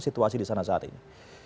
situasi di sana saat ini